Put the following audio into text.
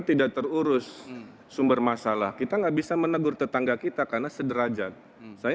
tidak terurus sumber masalah kita nggak bisa menegur tetangga kita karena sederajat saya